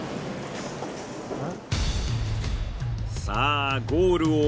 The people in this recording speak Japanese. さあゴール